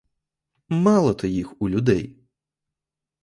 Мало то їх у людей!